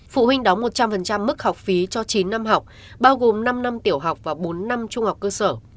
phụ huynh đóng một trăm linh mức học phí cho chín năm học bao gồm năm năm tiểu học và bốn năm trung học cơ sở